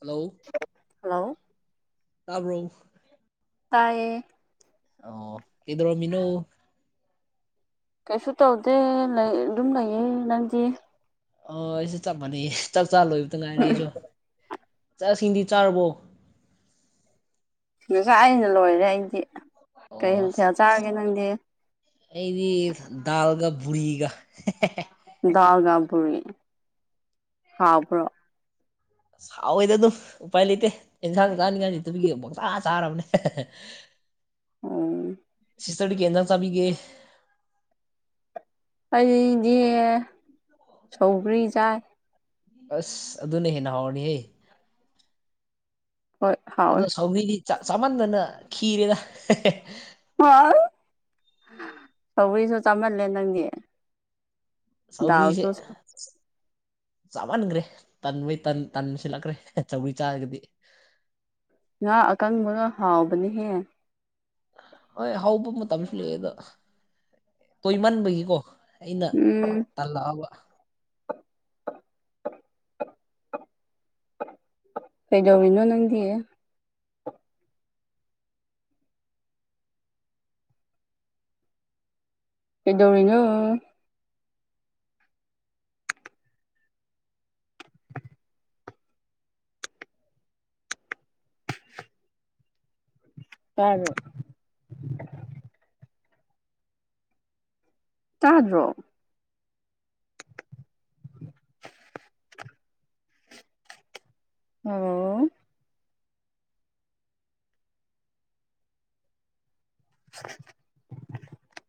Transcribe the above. hello hello ꯑꯣ ꯇꯥꯕ꯭ꯔꯣ ꯇꯥꯏꯌꯦ ꯑꯥꯑꯣ ꯀꯩꯗ꯭ꯧꯔꯝꯃꯤꯅꯣ ꯀꯩꯁꯨ ꯇꯧꯗꯦ ꯂꯩ ꯑꯗꯨꯝ ꯂꯩꯌꯦ ꯅꯪꯗꯤ ꯑꯥ ꯑꯩꯖꯨ ꯆꯞ ꯃꯥꯟꯅꯩ ꯍꯦ ꯆꯥꯛ ꯆꯥ ꯂꯣꯏꯕꯗ ꯉꯥꯏꯔꯤ ꯑꯩꯖꯨ ꯆꯥꯛ- ꯏꯁꯤꯡꯗꯤ ꯆꯥꯔꯕꯣ ꯉꯁꯥꯏꯅ ꯂꯣꯏꯔꯦ ꯑꯩꯗꯤ ꯀꯩ ꯑꯣꯑꯣ ꯃꯊꯦꯜ ꯁꯦꯆ ꯆꯥꯔꯒꯦ ꯅꯪꯗꯤ ꯑꯩꯗꯤ ꯗꯥꯜꯒ ꯕꯨꯔꯤꯒ ꯗꯥꯜꯒ ꯕꯨꯔꯤ ꯍꯥꯎꯕ꯭ꯔꯣ ꯁꯥꯎꯋꯦꯗ ꯑꯗꯨꯝ ꯎꯄꯥꯏ ꯂꯩꯇꯦ ꯑꯦꯟꯖꯥꯡ ꯆꯥꯅꯤꯡꯉꯥꯏ ꯂꯩꯇꯕꯒꯤ ꯄꯪꯆꯥ ꯆꯥꯔꯕꯅꯦ INAUDIBLE ꯑꯣꯡ ꯁꯤꯁꯇꯔꯗꯤ ꯀꯩ ꯏꯟꯖꯥꯡ ꯆꯥꯕꯤꯒꯦ ꯑꯩꯗꯤ ꯁꯧꯒ꯭ꯔꯤ ꯆꯥꯏ ꯑꯥꯁ ꯑꯗꯨꯅ ꯍꯦꯟꯅ ꯍꯥꯎꯔꯅꯤꯍꯦ ꯍꯣꯏ ꯍꯥꯎꯋꯦ ꯑꯗꯣ ꯁꯧꯒꯔꯤꯗꯤ ꯆꯃꯟꯗꯅ ꯈꯤꯔꯦꯗ [unintelligible] ꯁꯧꯒꯔꯤꯁꯨ ꯆꯥꯃꯜꯂꯦ ꯅꯪꯗꯤ ꯁꯧꯒꯔꯤꯁꯦ ꯗꯥꯜꯁꯨ ꯆꯥꯃꯟꯈ꯭ꯔꯦ ꯇꯟꯕꯩ ꯇꯟꯁꯤꯜꯂꯛꯈ꯭ꯔꯦ ꯁꯧꯒꯔꯤ ꯆꯥꯔꯒꯗꯤ ꯉꯥ ꯑꯀꯪꯕꯒ ꯍꯥꯎꯕꯅꯤꯍꯦ ꯍꯣꯏ ꯍꯥꯎꯕ ꯃꯇꯝꯁꯨ ꯂꯩꯑꯦꯗ ꯇꯣꯏꯃꯟꯕꯒꯤꯀꯣ ꯑꯩꯅ ꯎꯝ ꯇꯜꯂꯛꯑꯕ ꯀꯩꯗꯧꯔꯤꯅꯣ ꯅꯪꯗꯤ ꯀꯩꯗꯧꯔꯤꯅꯣ ꯇꯥꯕ꯭ꯔꯣ ꯇꯥꯗ꯭ꯔꯣ ꯍꯜꯂꯣ [inaudible]